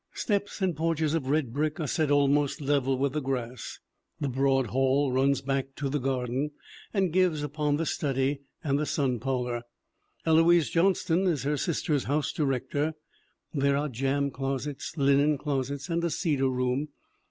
Steps and porches of red brick are set almost level with the grass. The broad hall runs back to the gar den and gives upon the study and the sun parlor. Eloise Johnston is her sister's house director. There are jam closets, linen closets and a cedar room.